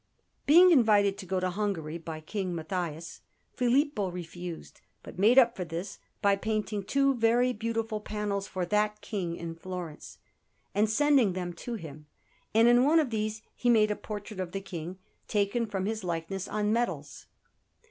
Being invited to go to Hungary by King Matthias, Filippo refused, but made up for this by painting two very beautiful panels for that King in Florence, and sending them to him; and in one of these he made a portrait of the King, taken from his likeness on medals.